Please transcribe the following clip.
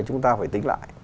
chúng ta phải tính lại